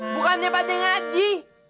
bukan dia pada ngaji